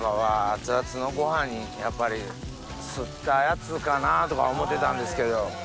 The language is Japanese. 熱々のご飯にやっぱりすったやつかなとか思ってたんですけど。